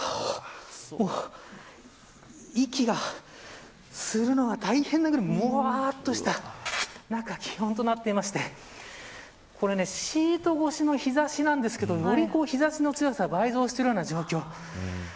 息が吸うのが大変なぐらいもわっとした気温となっていてこれ、シート越しの日差しなんですけれどより日差しの強さが倍増しているような状況。